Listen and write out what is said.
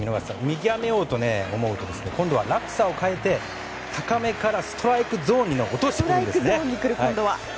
見極めようと思うと今度は落差を変えて高めからストライクゾーンに落としてくるんですね。